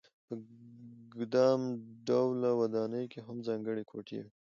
په ګدام ډوله ودانۍ کې هم ځانګړې کوټې وې.